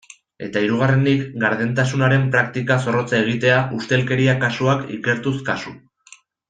Eta hirugarrenik, gardentasunaren praktika zorrotza egitea, ustelkeria kasuak ikertuz kasu.